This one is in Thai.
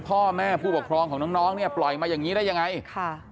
พ่อแม่ผู้ปกครองของน้องน้องเนี่ยปล่อยมาอย่างงี้ได้ยังไงค่ะ